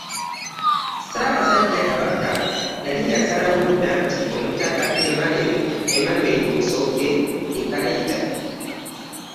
Ssaabasajja Kabaka yali yasalawo dda nti omutaka Emmanuel Musoke ye Kayita